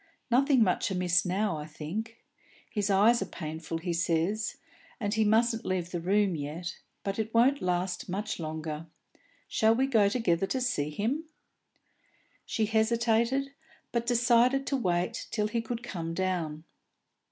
"Nothing much amiss now, I think. His eyes are painful, he says, and he mustn't leave the room yet, but it won't last much longer. Shall we go together and see him?" She hesitated, but decided to wait till he could come down.